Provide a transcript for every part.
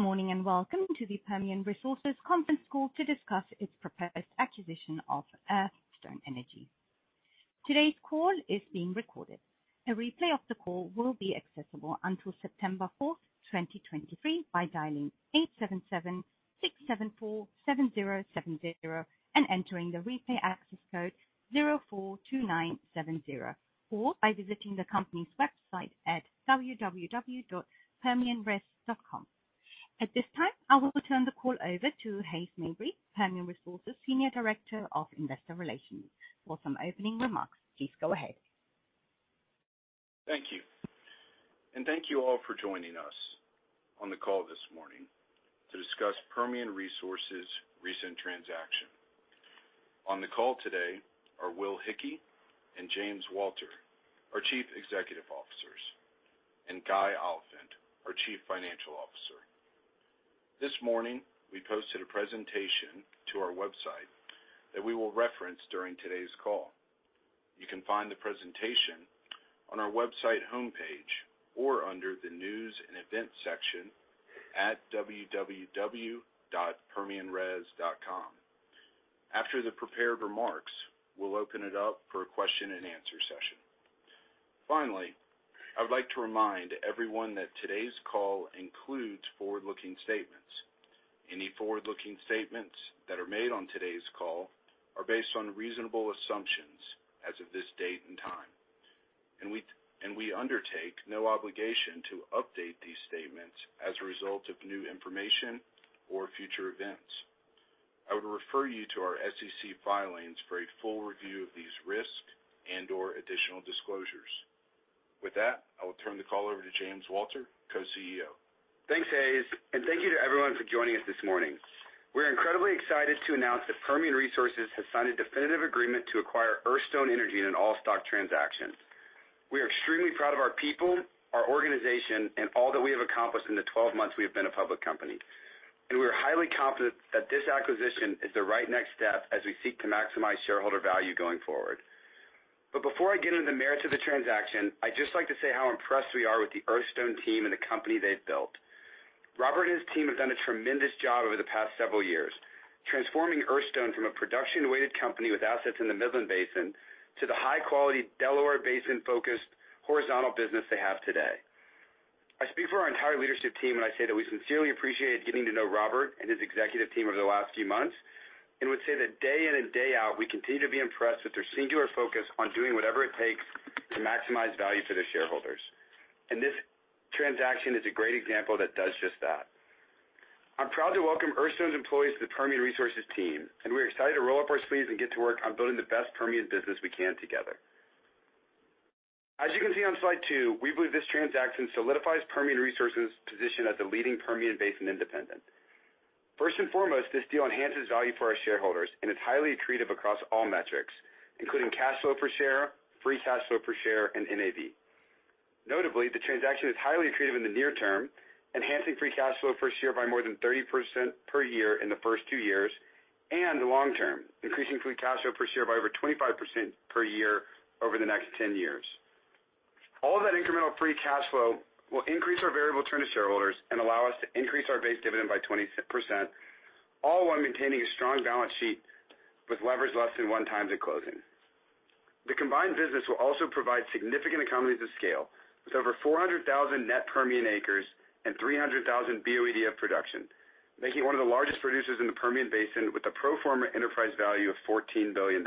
Good morning, and welcome to the Permian Resources conference call to discuss its proposed acquisition of Earthstone Energy. Today's call is being recorded. A replay of the call will be accessible until September 4, 2023, by dialing 877-674-7070 and entering the replay access code 042970, or by visiting the company's website at www.permianres.com. At this time, I will turn the call over to Hays Mabry, Permian Resources Senior Director of Investor Relations, for some opening remarks. Please go ahead. Thank you, thank you all for joining us on the call this morning to discuss Permian Resources' recent transaction. On the call today are Will Hickey and James Walter, our Chief Executive Officers, and Guy Oliphint, our Chief Financial Officer. This morning, we posted a presentation to our website that we will reference during today's call. You can find the presentation on our website homepage or under the News and Events section at www.permianres.com. After the prepared remarks, we'll open it up for a question-and-answer session. Finally, I would like to remind everyone that today's call includes forward-looking statements. Any forward-looking statements that are made on today's call are based on reasonable assumptions as of this date and time, and we undertake no obligation to update these statements as a result of new information or future events. I would refer you to our SEC filings for a full review of these risks and/or additional disclosures. With that, I will turn the call over to James Walter, Co-CEO. Thanks, Hays, and thank you to everyone for joining us this morning. We're incredibly excited to announce that Permian Resources has signed a definitive agreement to acquire Earthstone Energy in an all-stock transaction. We are extremely proud of our people, our organization, and all that we have accomplished in the 12 months we have been a public company, and we are highly confident that this acquisition is the right next step as we seek to maximize shareholder value going forward. Before I get into the merits of the transaction, I'd just like to say how impressed we are with the Earthstone team and the company they've built. Robert and his team have done a tremendous job over the past several years, transforming Earthstone from a production-weighted company with assets in the Midland Basin to the high-quality Delaware Basin-focused horizontal business they have today. I speak for our entire leadership team when I say that we sincerely appreciated getting to know Robert and his executive team over the last few months and would say that day in and day out, we continue to be impressed with their singular focus on doing whatever it takes to maximize value for their shareholders. This transaction is a great example that does just that. I'm proud to welcome Earthstone's employees to the Permian Resources team, and we're excited to roll up our sleeves and get to work on building the best Permian business we can together. As you can see on slide 2, we believe this transaction solidifies Permian Resources' position as a leading Permian Basin independent. First and foremost, this deal enhances value for our shareholders and is highly accretive across all metrics, including cash flow per share, free cash flow per share, and NAV. Notably, the transaction is highly accretive in the near term, enhancing free cash flow per share by more than 30% per year in the first 2 years, and the long term, increasing free cash flow per share by over 25% per year over the next 10 years. All of that incremental free cash flow will increase our variable return to shareholders and allow us to increase our base dividend by 20%, all while maintaining a strong balance sheet with leverage less than 1x at closing. The combined business will also provide significant economies of scale, with over 400,000 net Permian acres and 300,000 BOED of production, making it one of the largest producers in the Permian Basin with a pro forma enterprise value of $14 billion.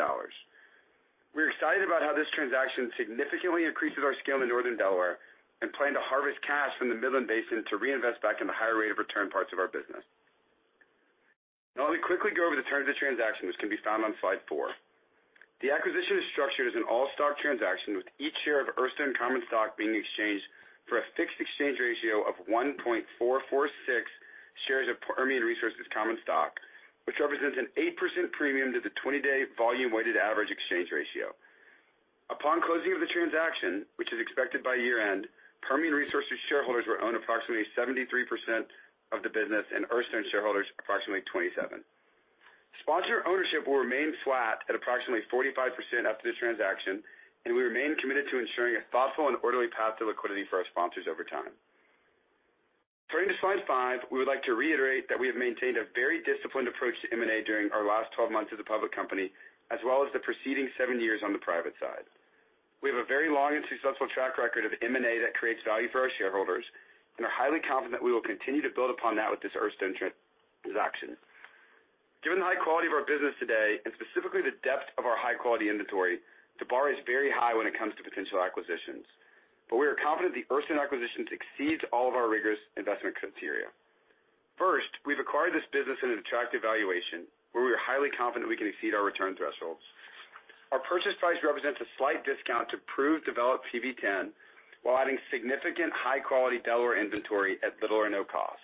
We're excited about how this transaction significantly increases our scale in the northern Delaware and plan to harvest cash from the Midland Basin to reinvest back in the higher rate of return parts of our business. Let me quickly go over the terms of the transaction, which can be found on slide 4. The acquisition is structured as an all-stock transaction, with each share of Earthstone common stock being exchanged for a fixed exchange ratio of 1.446 shares of Permian Resources common stock, which represents an 8% premium to the 20-day volume-weighted average exchange ratio. Upon closing of the transaction, which is expected by year-end, Permian Resources shareholders will own approximately 73% of the business, and Earthstone shareholders, approximately 27%. Sponsor ownership will remain flat at approximately 45% after the transaction. We remain committed to ensuring a thoughtful and orderly path to liquidity for our sponsors over time. Turning to slide 5, we would like to reiterate that we have maintained a very disciplined approach to M&A during our last 12 months as a public company, as well as the preceding seven years on the private side. We have a very long and successful track record of M&A that creates value for our shareholders and are highly confident we will continue to build upon that with this Earthstone transaction. Given the high quality of our business today and specifically the depth of our high-quality inventory, the bar is very high when it comes to potential acquisitions. We are confident the Earthstone acquisition exceeds all of our rigorous investment criteria. First, we've acquired this business at an attractive valuation, where we are highly confident we can exceed our return thresholds. Our purchase price represents a slight discount to proved developed PV-10, while adding significant high-quality Delaware inventory at little or no cost.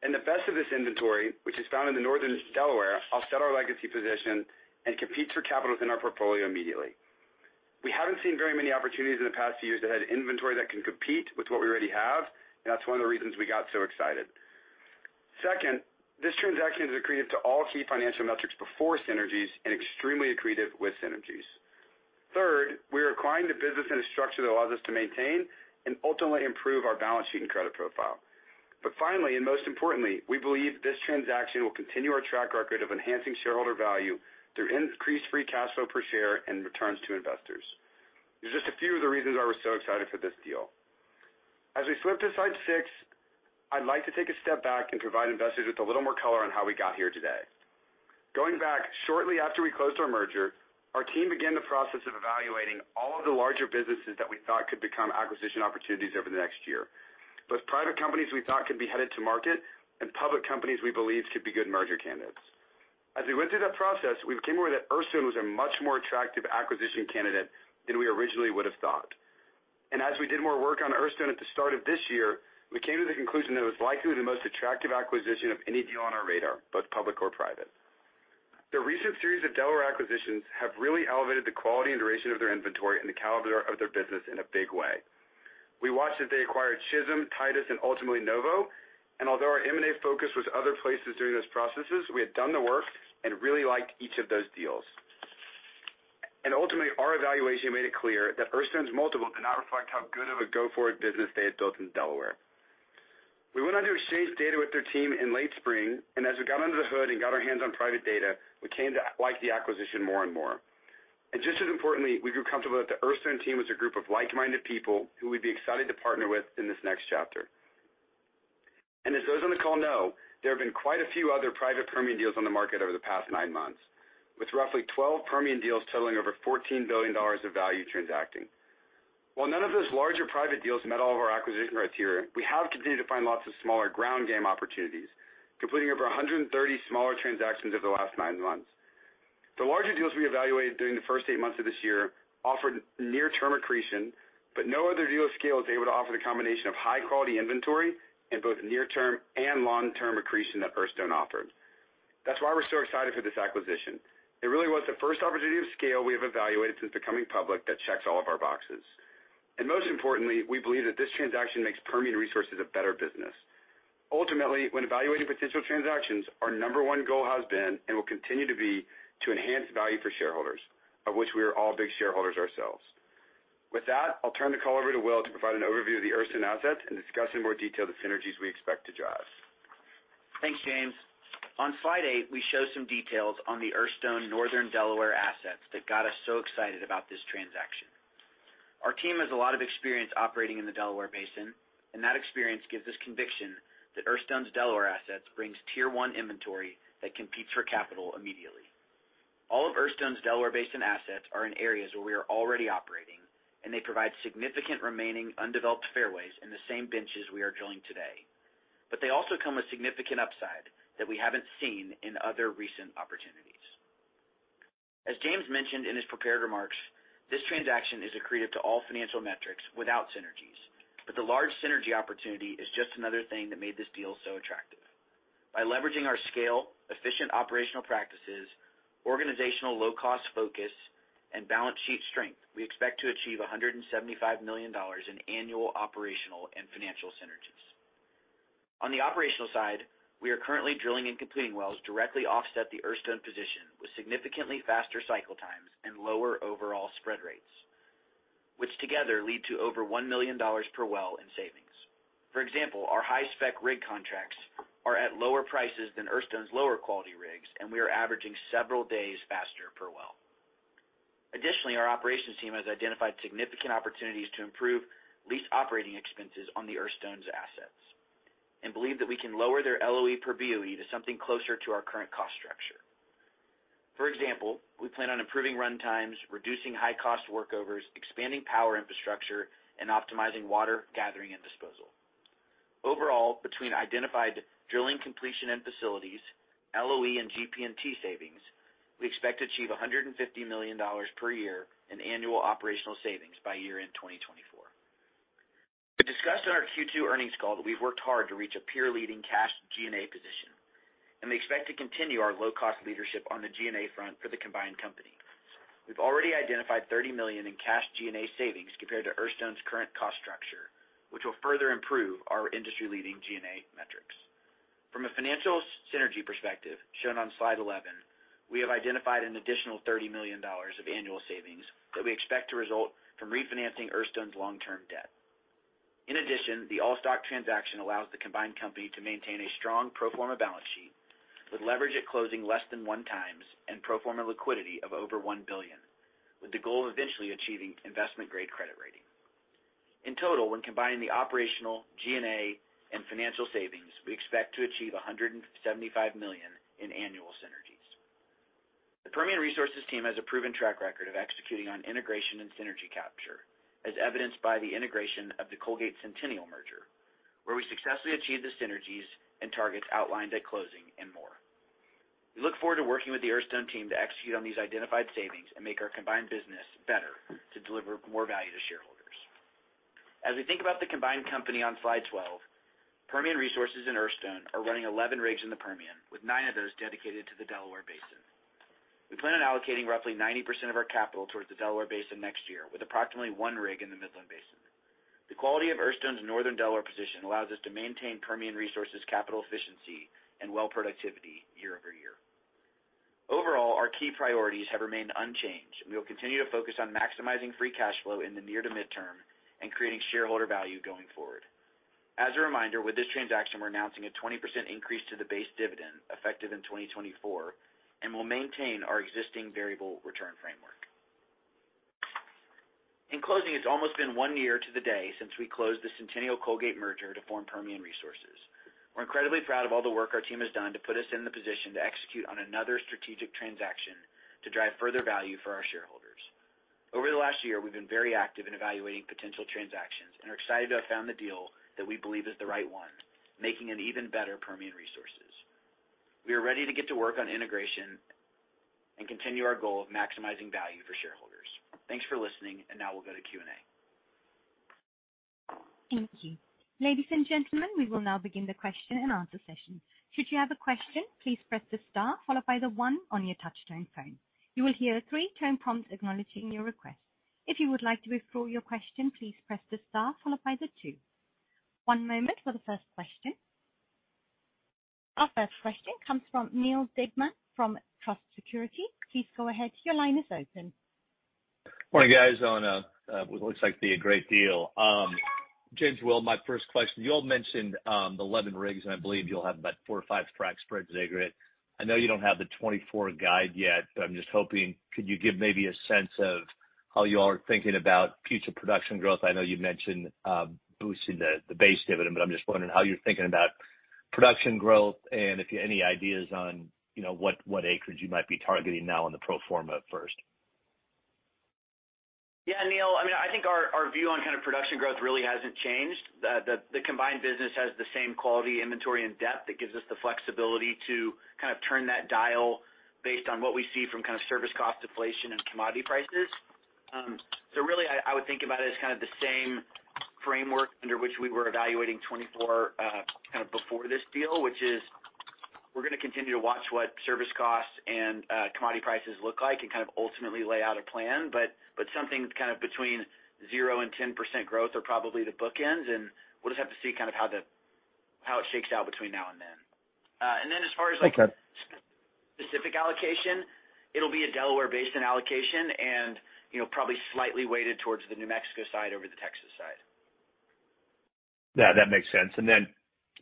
The best of this inventory, which is found in the northern Delaware, offset our legacy position and competes for capital within our portfolio immediately. We haven't seen very many opportunities in the past few years that had inventory that can compete with what we already have, and that's one of the reasons we got so excited. Second, this transaction is accretive to all key financial metrics before synergies and extremely accretive with synergies. Third, we are acquiring the business in a structure that allows us to maintain and ultimately improve our balance sheet and credit profile. Finally, and most importantly, we believe this transaction will continue our track record of enhancing shareholder value through increased free cash flow per share and returns to investors. These are just a few of the reasons why we're so excited for this deal. As we flip to slide 6, I'd like to take a step back and provide investors with a little more color on how we got here today. Going back, shortly after we closed our merger, our team began the process of evaluating all of the larger businesses that we thought could become acquisition opportunities over the next year, both private companies we thought could be headed to market and public companies we believed could be good merger candidates. As we went through that process, we became aware that Earthstone was a much more attractive acquisition candidate than we originally would have thought. As we did more work on Earthstone at the start of this year, we came to the conclusion that it was likely the most attractive acquisition of any deal on our radar, both public or private. The recent series of Delaware acquisitions have really elevated the quality and duration of their inventory and the caliber of their business in a big way. We watched as they acquired Chisholm, Titus, and ultimately, Novo, although our M&A focus was other places during those processes, we had done the work and really liked each of those deals. Ultimately, our evaluation made it clear that Earthstone's multiple did not reflect how good of a go-forward business they had built in Delaware. We went on to exchange data with their team in late spring, as we got under the hood and got our hands on private data, we came to like the acquisition more and more. Just as importantly, we grew comfortable that the Earthstone team was a group of like-minded people who we'd be excited to partner with in this next chapter. As those on the call know, there have been quite a few other private Permian deals on the market over the past 9 months, with roughly 12 Permian deals totaling over $14 billion of value transacting. While none of those larger private deals met all of our acquisition criteria, we have continued to find lots of smaller ground game opportunities, completing over 130 smaller transactions over the last 9 months. The larger deals we evaluated during the first eight months of this year offered near-term accretion, but no other deal of scale was able to offer the combination of high-quality inventory and both near-term and long-term accretion that Earthstone offered. That's why we're so excited for this acquisition. It really was the first opportunity of scale we have evaluated since becoming public that checks all of our boxes. Most importantly, we believe that this transaction makes Permian Resources a better business. Ultimately, when evaluating potential transactions, our number one goal has been, and will continue to be, to enhance value for shareholders, of which we are all big shareholders ourselves. With that, I'll turn the call over to Will to provide an overview of the Earthstone assets and discuss in more detail the synergies we expect to drive. Thanks, James. On slide 8, we show some details on the Earthstone northern Delaware assets that got us so excited about this transaction. Our team has a lot of experience operating in the Delaware Basin, that experience gives us conviction that Earthstone's Delaware assets brings tier one inventory that competes for capital immediately. All of Earthstone's Delaware Basin assets are in areas where we are already operating, they provide significant remaining undeveloped fairways in the same benches we are drilling today. They also come with significant upside that we haven't seen in other recent opportunities. As James mentioned in his prepared remarks, this transaction is accretive to all financial metrics without synergies, the large synergy opportunity is just another thing that made this deal so attractive. By leveraging our scale, efficient operational practices, organizational low-cost focus, and balance sheet strength, we expect to achieve $175 million in annual operational and financial synergies. On the operational side, we are currently drilling and completing wells directly offset the Earthstone position with significantly faster cycle times and lower overall spread rates, which together lead to over $1 million per well in savings. For example, our high-spec rig contracts are at lower prices than Earthstone's lower quality rigs, and we are averaging several days faster per well. Additionally, our operations team has identified significant opportunities to improve lease operating expenses on the Earthstone's assets and believe that we can lower their LOE per BOE to something closer to our current cost structure. For example, we plan on improving runtimes, reducing high-cost workovers, expanding power infrastructure, and optimizing water gathering and disposal. Overall, between identified drilling completion and facilities, LOE, and GP&T savings, we expect to achieve $150 million per year in annual operational savings by year-end 2024. We discussed in our Q2 earnings call that we've worked hard to reach a peer-leading cash G&A position, and we expect to continue our low-cost leadership on the G&A front for the combined company. We've already identified $30 million in cash G&A savings compared to Earthstone's current cost structure, which will further improve our industry-leading G&A metrics. From a financial synergy perspective, shown on slide 11, we have identified an additional $30 million of annual savings that we expect to result from refinancing Earthstone's long-term debt. In addition, the all-stock transaction allows the combined company to maintain a strong pro forma balance sheet with leverage at closing less than 1x and pro forma liquidity of over $1 billion, with the goal of eventually achieving investment-grade credit rating. In total, when combining the operational, G&A, and financial savings, we expect to achieve $175 million in annual synergies. The Permian Resources team has a proven track record of executing on integration and synergy capture, as evidenced by the integration of the Colgate Centennial merger, where we successfully achieved the synergies and targets outlined at closing and more. We look forward to working with the Earthstone team to execute on these identified savings and make our combined business better to deliver more value to shareholders. As we think about the combined company on slide 12, Permian Resources and Earthstone are running 11 rigs in the Permian, with nine of those dedicated to the Delaware Basin. We plan on allocating roughly 90% of our capital towards the Delaware Basin next year, with approximately one rig in the Midland Basin. The quality of Earthstone's Northern Delaware position allows us to maintain Permian Resources' capital efficiency and well productivity year-over-year. Overall, our key priorities have remained unchanged, and we will continue to focus on maximizing free cash flow in the near to midterm and creating shareholder value going forward. As a reminder, with this transaction, we're announcing a 20% increase to the base dividend, effective in 2024, and will maintain our existing variable return framework. In closing, it's almost been 1 year to the day since we closed the Centennial Colgate merger to form Permian Resources. We're incredibly proud of all the work our team has done to put us in the position to execute on another strategic transaction to drive further value for our shareholders. Over the last year, we've been very active in evaluating potential transactions and are excited to have found the deal that we believe is the right one, making an even better Permian Resources. We are ready to get to work on integration and continue our goal of maximizing value for shareholders. Thanks for listening, and now we'll go to Q&A. Thank you. Ladies and gentlemen, we will now begin the question-and-answer session. Should you have a question, please press the star followed by the one on your touchtone phone. You will hear three tone prompts acknowledging your request. If you would like to withdraw your question, please press the star followed by the two. One moment for the first question. Our first question comes from Neal Dingmann from Truist Securities. Please go ahead. Your line is open. Good morning, guys, on what looks like to be a great deal. James Will, my first question, you all mentioned the 11 rigs, and I believe you'll have about 4 or 5 frac spreads in it. I know you don't have the 2024 guide yet, but I'm just hoping, could you give maybe a sense of how you all are thinking about future production growth? I know you've mentioned boosting the base dividend, but I'm just wondering how you're thinking about production growth and if you any ideas on, you know, what, what acreage you might be targeting now in the pro forma first. Yeah, Neal, I mean, I think our, our view on kind of production growth really hasn't changed. The, the, the combined business has the same quality, inventory, and depth that gives us the flexibility to kind of turn that dial based on what we see from kind of service cost, deflation, and commodity prices. Really, I, I would think about it as kind of the same framework under which we were evaluating 2024, kind of before this deal, which is we're gonna continue to watch what service costs and commodity prices look like and kind of ultimately lay out a plan. Something kind of between 0 and 10% growth are probably the bookends, and we'll just have to see kind of how it shakes out between now and then. As far as like- Okay. -specific allocation, it'll be a Delaware Basin allocation and, you know, probably slightly weighted towards the New Mexico side over the Texas side. Yeah, that makes sense.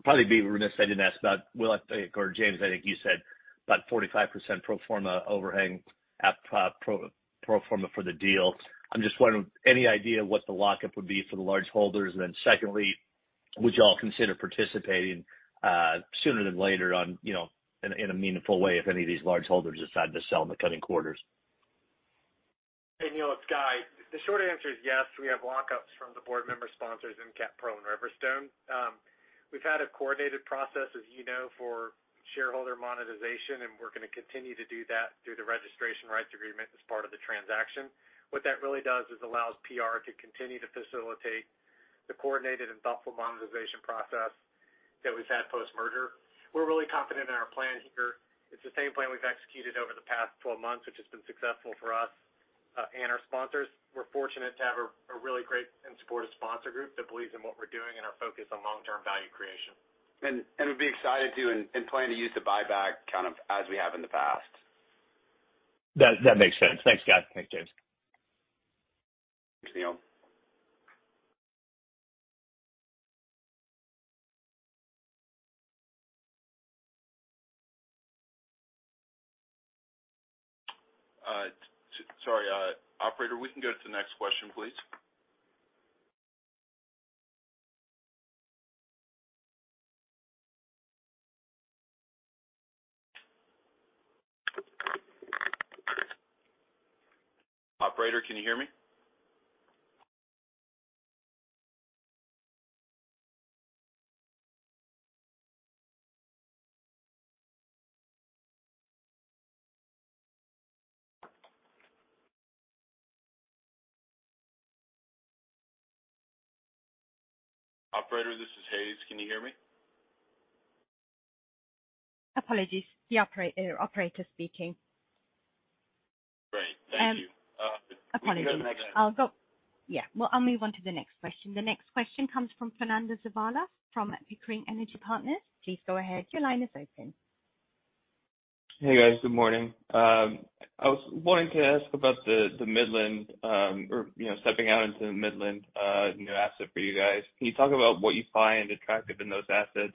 Probably be remiss I didn't ask about, Will, I think, or James, I think you said about 45% pro forma overhang at, pro, pro forma for the deal. I'm just wondering, any idea what the lockup would be for the large holders? Secondly, would you all consider participating, sooner than later on, you know, in a, in a meaningful way, if any of these large holders decide to sell in the coming quarters? Hey, Neal, it's Guy. The short answer is yes, we have lockups from the board member sponsors EnCap Pearl and Riverstone. We've had a coordinated process, as you know, for shareholder monetization, and we're gonna continue to do that through the registration rights agreement as part of the transaction. What that really does is allows PR to continue to facilitate the coordinated and thoughtful monetization process that we've had post-merger. We're really confident in our plan here. It's the same plan we've executed over the past 12 months, which has been successful for us and our sponsors. We're fortunate to have a really great and supportive sponsor group that believes in what we're doing and our focus on long-term value creation. We'd be excited to and, and plan to use the buyback kind of, as we have in the past. That, that makes sense. Thanks, Guy. Thanks, James. Thanks, Neal. Sorry, operator, we can go to the next question, please. Operator, can you hear me? Apologies. The operator speaking. Great. Thank you. Apologies. Can we go to the next? I'll go. Yeah. Well, I'll move on to the next question. The next question comes from Fernando Zavala, from Pickering Energy Partners. Please go ahead. Your line is open. Hey, guys. Good morning. I was wanting to ask about the, the Midland, or, you know, stepping out into the Midland, new asset for you guys. Can you talk about what you find attractive in those assets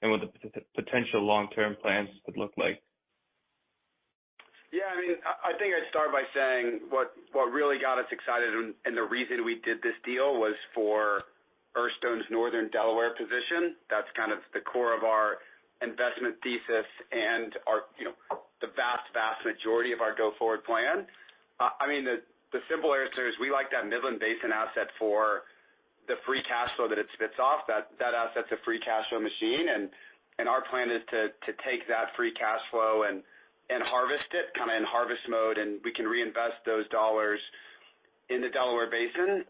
and what the potential long-term plans would look like? Yeah, I mean, I, I think I'd start by saying what really got us excited and the reason we did this deal was for Earthstone's Northern Delaware position. That's kind of the core of our investment thesis and our, you know, the vast, vast majority of our go-forward plan. I mean, the simple answer is we like that Midland Basin asset for the free cash flow that it spits off. That asset's a free cash flow machine. Our plan is to take that free cash flow and harvest it, kind of in harvest mode. We can reinvest those dollars in the Delaware Basin.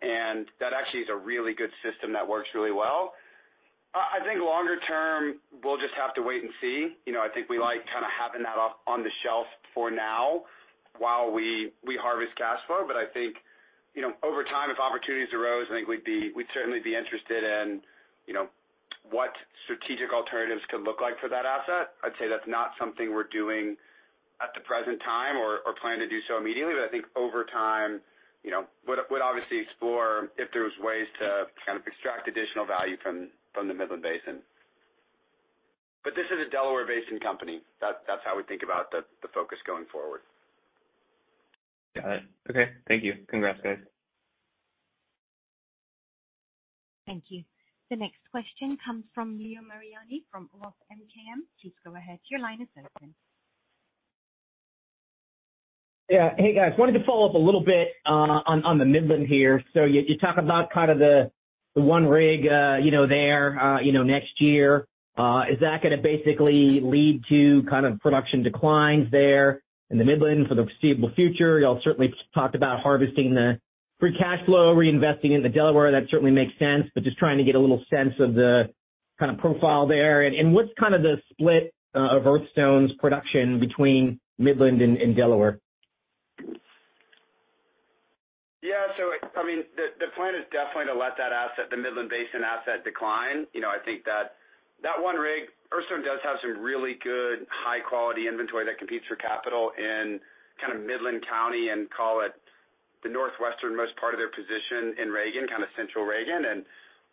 That actually is a really good system that works really well. ... I think longer term, we'll just have to wait and see. You know, I think we like kind of having that off on the shelf for now while we, we harvest cash flow. I think, you know, over time, if opportunities arose, I think we'd certainly be interested in, you know, what strategic alternatives could look like for that asset. I'd say that's not something we're doing at the present time or, or plan to do so immediately, but I think over time, you know, would, would obviously explore if there's ways to kind of extract additional value from, from the Midland Basin. This is a Delaware Basin company. That's, that's how we think about the, the focus going forward. Got it. Okay. Thank you. Congrats, guys. Thank you. The next question comes from Leo Mariani from ROTH MKM. Please go ahead, your line is open. Yeah. Hey, guys, wanted to follow up a little bit on, on the Midland here. You, you talk about kind of the, the 1 rig there next year. Is that gonna basically lead to kind of production declines there in the Midland for the foreseeable future? You all certainly talked about harvesting the free cash flow, reinvesting in the Delaware. That certainly makes sense, but just trying to get a little sense of the kind of profile there. What's kind of the split of Earthstone's production between Midland and Delaware? Yeah, I mean, the plan is definitely to let that asset, the Midland Basin asset, decline. You know, I think that that one rig, Earthstone does have some really good high-quality inventory that competes for capital in kind of Midland County and call it the northwesternmost part of their position in Reagan, kind of central Reagan, and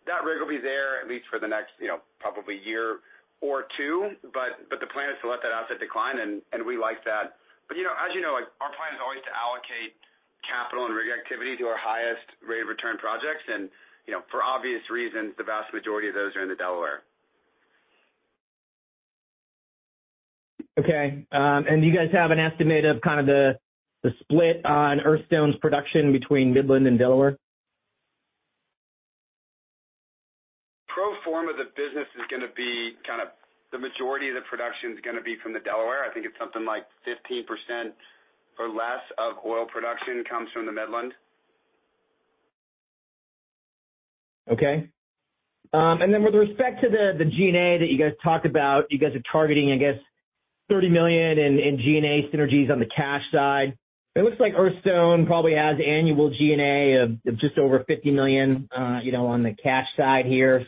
that rig will be there at least for the next, you know, probably year or two. The plan is to let that asset decline, and, and we like that. You know, as you know, our plan is always to allocate capital and rig activity to our highest rate of return projects, and, you know, for obvious reasons, the vast majority of those are in the Delaware. Okay, do you guys have an estimate of kind of the, the split on Earthstone's production between Midland and Delaware? Pro forma, the business is gonna be kind of the majority of the production is gonna be from the Delaware. I think it's something like 15% or less of oil production comes from the Midland. Okay. With respect to the, the G&A that you guys talked about, you guys are targeting, I guess, $30 million in, in G&A synergies on the cash side. It looks like Earthstone probably has annual G&A of, of just over $50 million, you know, on the cash side here.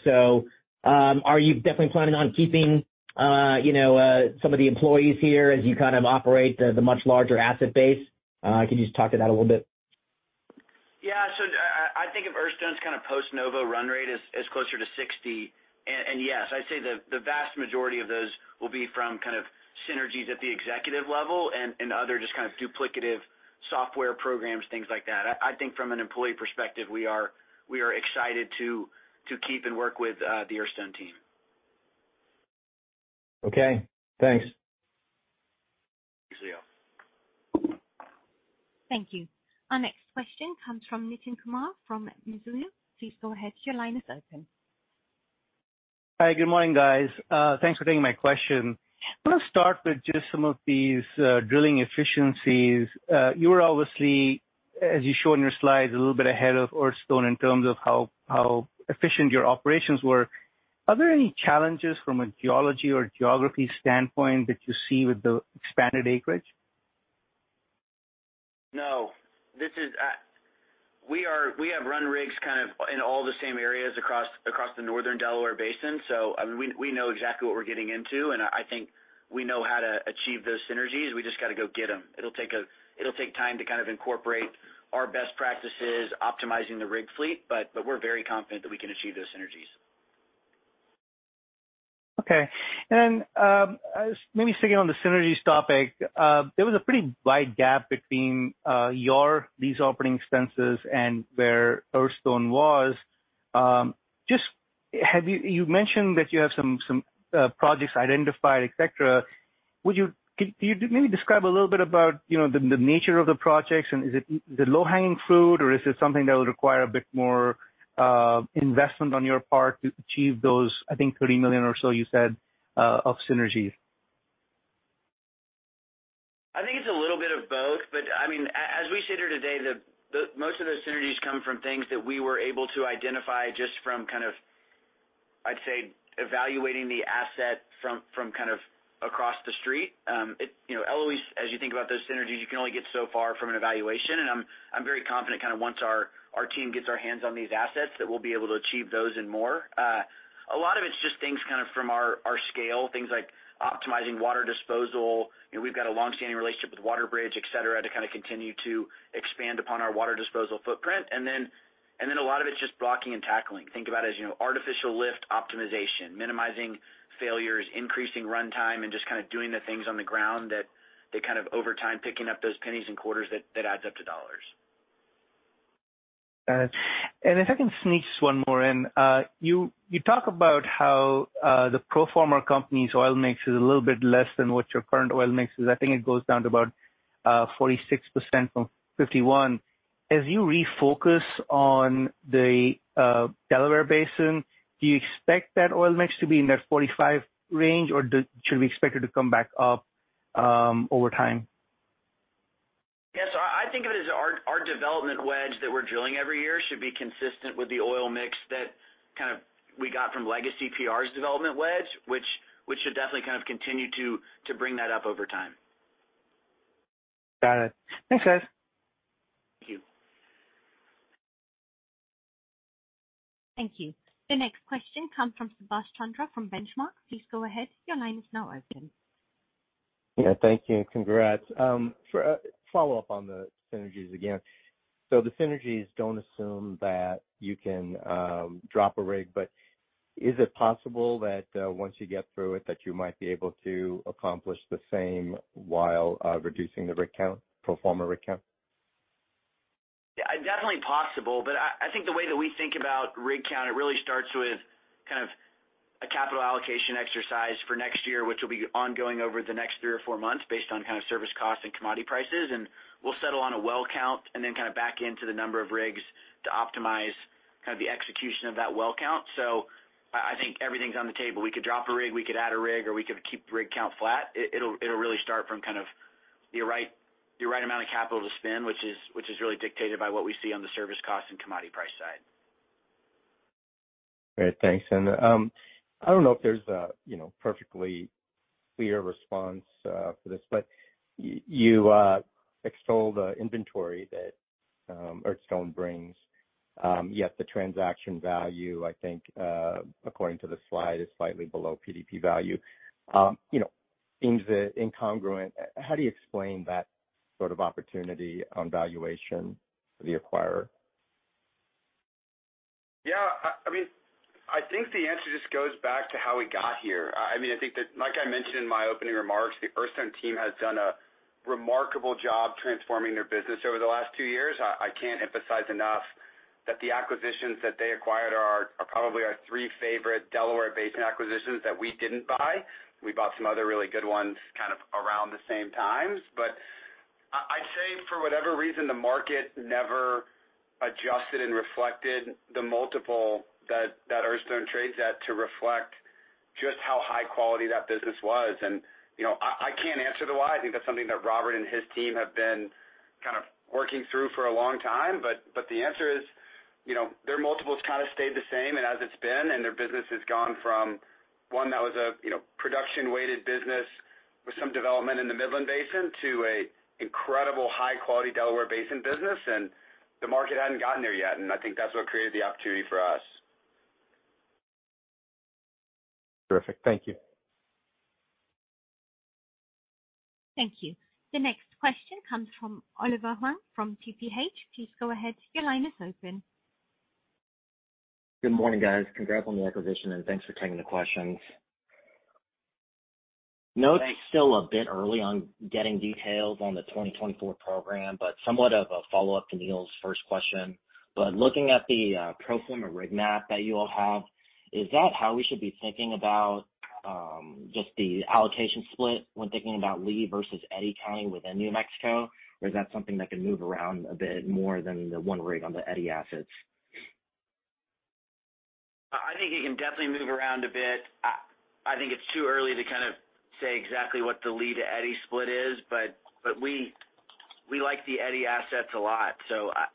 Are you definitely planning on keeping, you know, some of the employees here as you kind of operate the, the much larger asset base? Can you just talk to that a little bit? Yeah. I, I think of Earthstone's kind of post-Novo run rate as, as closer to 60. Yes, I'd say the, the vast majority of those will be from kind of synergies at the executive level and, and other just kind of duplicative software programs, things like that. I, I think from an employee perspective, we are, we are excited to, to keep and work with the Earthstone team. Okay, thanks. Thanks, Leo. Thank you. Our next question comes from Nitin Kumar from Mizuho. Please go ahead, your line is open. Hi, good morning, guys. Thanks for taking my question. I want to start with just some of these drilling efficiencies. You were obviously, as you show in your slides, a little bit ahead of Earthstone in terms of how, how efficient your operations were. Are there any challenges from a geology or geography standpoint that you see with the expanded acreage? No. We have run rigs kind of in all the same areas across, across the northern Delaware Basin, so, I mean, we, we know exactly what we're getting into, and I, I think we know how to achieve those synergies. We just got to go get them. It'll take time to kind of incorporate our best practices, optimizing the rig fleet, but we're very confident that we can achieve those synergies. Okay. Maybe sticking on the synergies topic, there was a pretty wide gap between your lease operating expenses and where Earthstone was. You mentioned that you have some, some projects identified, et cetera. Could you maybe describe a little bit about, you know, the nature of the projects and is it the low-hanging fruit, or is it something that would require a bit more investment on your part to achieve those, I think, $30 million or so you said, of synergies? I think it's a little bit of both, but I mean, as we sit here today, the most of those synergies come from things that we were able to identify just from kind of, I'd say, evaluating the asset from, from kind of across the street. It, you know, LOE, as you think about those synergies, you can only get so far from an evaluation, and I'm, I'm very confident kind of once our, our team gets our hands on these assets, that we'll be able to achieve those and more. A lot of it's just things kind of from our, our scale, things like optimizing water disposal. You know, we've got a long-standing relationship with WaterBridge, et cetera, to kind of continue to expand upon our water disposal footprint. A lot of it's just blocking and tackling. Think about it as, you know, artificial lift optimization, minimizing failures, increasing runtime, and just kind of doing the things on the ground that, that kind of over time, picking up those pennies and quarters, that, that adds up to dollars. Got it. If I can sneak just one more in. You, you talk about how the pro forma company's oil mix is a little bit less than what your current oil mix is. I think it goes down to about 46% from 51. As you refocus on the Delaware Basin, do you expect that oil mix to be in that 45 range, or should we expect it to come back up over time?... I think of it as our, our development wedge that we're drilling every year should be consistent with the oil mix that kind of we got from Legacy PR's development wedge, which, which should definitely kind of continue to, to bring that up over time. Got it. Thanks, guys. Thank you. Thank you. The next question comes from Subhash Chandra from Benchmark. Please go ahead. Your line is now open. Yeah, thank you, and congrats. For follow up on the synergies again. The synergies don't assume that you can drop a rig, but is it possible that, once you get through it, that you might be able to accomplish the same while, reducing the rig count, pro forma rig count? Yeah, definitely possible, but I, I think the way that we think about rig count, it really starts with kind of a capital allocation exercise for next year, which will be ongoing over the next three or four months based on kind of service costs and commodity prices. We'll settle on a well count and then kind of back into the number of rigs to optimize kind of the execution of that well count. I, I think everything's on the table. We could drop a rig, we could add a rig, or we could keep the rig count flat. It, it'll, it'll really start from kind of the right, the right amount of capital to spend, which is, which is really dictated by what we see on the service cost and commodity price side. Great, thanks. I don't know if there's a, you know, perfectly clear response for this, but you extolled the inventory that Earthstone brings, yet the transaction value, I think, according to the slide, is slightly below PDP value. You know, seems incongruent. How do you explain that sort of opportunity on valuation for the acquirer? Yeah, I mean, I think the answer just goes back to how we got here. I mean, I think that, like I mentioned in my opening remarks, the Earthstone team has done a remarkable job transforming their business over the last 2 years. I can't emphasize enough that the acquisitions that they acquired are, are probably our 3 favorite Delaware Basin acquisitions that we didn't buy. We bought some other really good ones kind of around the same times. I'd say, for whatever reason, the market never adjusted and reflected the multiple that, that Earthstone trades at to reflect just how high quality that business was. You know, I can't answer the why. I think that's something that Robert and his team have been kind of working through for a long time. The answer is, you know, their multiples kind of stayed the same as it's been. Their business has gone from one that was a, you know, production-weighted business with some development in the Midland Basin to an incredible high-quality Delaware Basin business. The market hadn't gotten there yet, and I think that's what created the opportunity for us. Terrific. Thank you. Thank you. The next question comes from Oliver Huang from TPH. Please go ahead. Your line is open. Good morning, guys. Congrats on the acquisition, and thanks for taking the questions. Thanks. I know it's still a bit early on getting details on the 2024 program, but somewhat of a follow-up to Neal's first question. Looking at the pro forma rig map that you all have, is that how we should be thinking about just the allocation split when thinking about Lea versus Eddy County within New Mexico? Or is that something that can move around a bit more than the one rig on the Eddy assets? I, I think it can definitely move around a bit. I, I think it's too early to kind of say exactly what the Lea to Eddy split is, but, but we, we like the Eddy assets a lot, so I,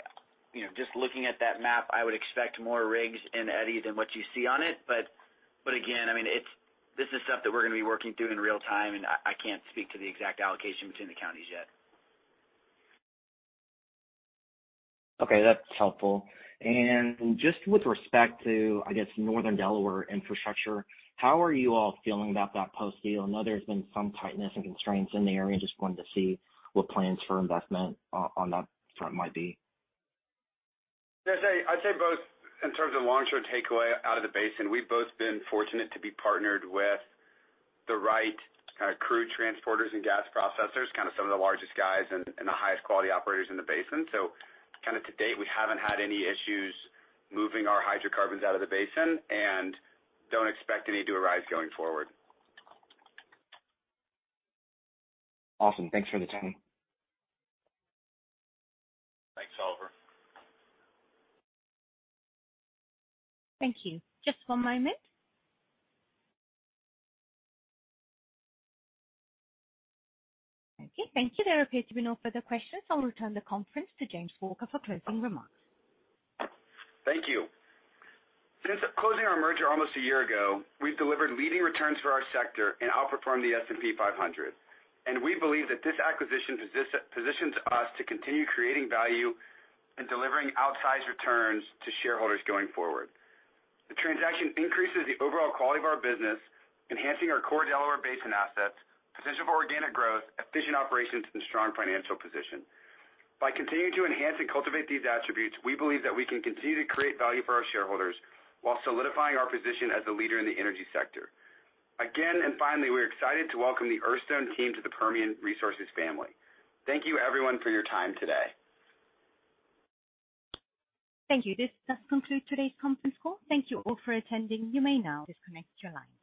you know, just looking at that map, I would expect more rigs in Eddy than what you see on it. Again, I mean, this is stuff that we're gonna be working through in real time, and I, I can't speak to the exact allocation between the counties yet. Okay, that's helpful. Just with respect to, I guess, Northern Delaware infrastructure, how are you all feeling about that post-deal? I know there's been some tightness and constraints in the area. Just wanted to see what plans for investment on that front might be. I'd say, I'd say both in terms of long-term takeaway out of the basin, we've both been fortunate to be partnered with the right kind of crude transporters and gas processors, kind of some of the largest guys and the highest quality operators in the basin. Kind of to date, we haven't had any issues moving our hydrocarbons out of the basin and don't expect any to arise going forward. Awesome. Thanks for the time. Thanks, Oliver. Thank you. Just one moment. Okay, thank you. There appear to be no further questions. I'll return the conference to James Walter for closing remarks. Thank you. Since closing our merger almost a year ago, we've delivered leading returns for our sector and outperformed the S&P 500. We believe that this acquisition positions us to continue creating value and delivering outsized returns to shareholders going forward. The transaction increases the overall quality of our business, enhancing our core Delaware Basin assets, potential for organic growth, efficient operations, and strong financial position. By continuing to enhance and cultivate these attributes, we believe that we can continue to create value for our shareholders while solidifying our position as a leader in the energy sector. Again, finally, we're excited to welcome the Earthstone team to the Permian Resources family. Thank you, everyone, for your time today. Thank you. This does conclude today's conference call. Thank you all for attending. You may now disconnect your lines.